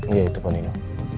iya itu pun nino